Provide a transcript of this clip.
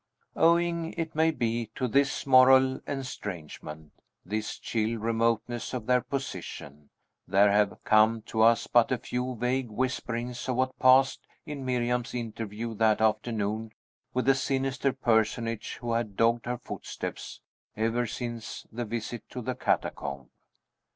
Owing, it may be, to this moral estrangement, this chill remoteness of their position, there have come to us but a few vague whisperings of what passed in Miriam's interview that afternoon with the sinister personage who had dogged her footsteps ever since the visit to the catacomb.